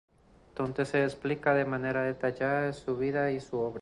Donde se explica de manera detallada su vida y su obra.